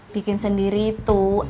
bikin sendiri tuh